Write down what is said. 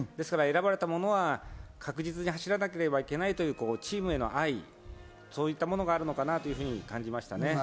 選ばれた者は確実に走らなければいけないというチームへの愛、そういったものがあるのかなと感じました。